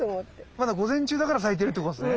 まだ午前中だから咲いてるってことですね。